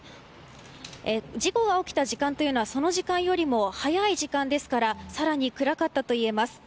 事故が起きた時間はその時間よりも早い時間ですからさらに暗かったといえます。